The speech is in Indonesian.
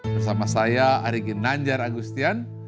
bersama saya arigin nanjar agustian